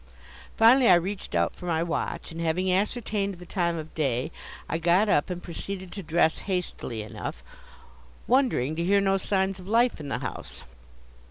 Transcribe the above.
Finally I reached out for my watch, and, having ascertained the time of day, I got up and proceeded to dress hastily enough, wondering to hear no signs of life in the house.